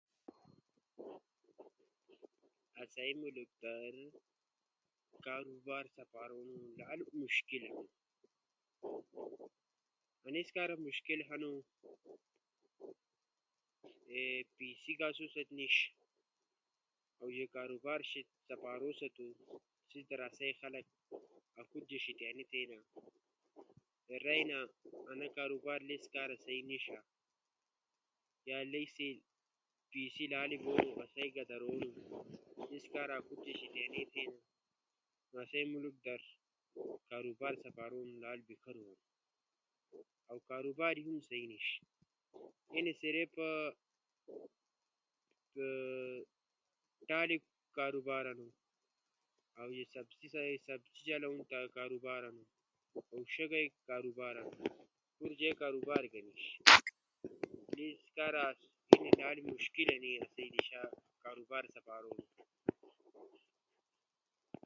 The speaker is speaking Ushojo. آسئی ملک در کاروبار سپارونو لالو مشکل ہنو۔ انیس کارا مشکل ہنو جے پیسے آسو ست نیِش۔ اؤ جے کاروبار سپارونو سیس در آسئی خلق اکو تی شیطانی تھینا، سی رئینا انیس کاروبار سیس کارا سہی نیِش۔ یا لیس پیسے لالے بونو آسئی کہ در ونو، لیس کارا آسو تی شیطأنی تھینا۔ آسئی ملک در کاروبار سپارونو لالو بیکھرو ہنو۔ اؤ کاروبار ہم سہی نیِش۔ اینی صرف ٹالے کاروبار ہنو، اؤ سبزی چلونو کاروبار ہنو، اؤ شگئی کاروبار ہنو، ہور جے کاروبار گا نیِش۔ انیس کارا لالو مشکل ہنی آسو دیشا کاروبار سپارونو در۔